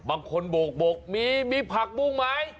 บางคนบกมีมีผักมุ่งไหม